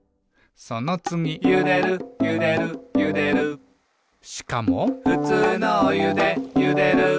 そのつぎ「ゆでるゆでるゆでる」しかも「ふつうのおゆでゆでる」